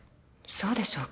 そうでしょうか？